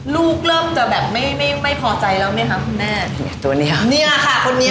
ลูกเริ่มจะแบบไม่ไม่ไม่พอใจแล้วไหมคะคุณแม่ตัวเนี้ยค่ะคนนี้